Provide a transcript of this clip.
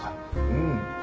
うん。